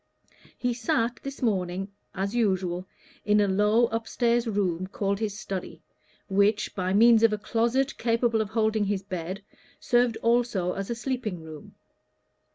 He sat this morning, as usual, in a low up stairs room, called his study, which, by means of a closet capable of holding his bed, served also as a sleeping room.